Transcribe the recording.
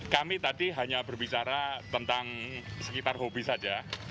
kami tadi hanya berbicara tentang sekitar hobi saja